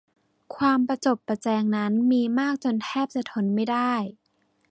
ความประจบประแจงนั้นมีมากจนแทบจะทนไม่ได้